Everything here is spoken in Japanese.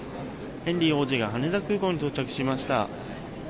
ヘンリー王子が羽田空港に到着しました。